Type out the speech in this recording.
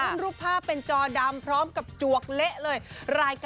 รูปภาพเป็นจอดำพร้อมกับจวกเละเลย